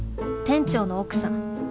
店長の奥さん。